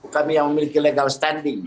kami yang memiliki legal standing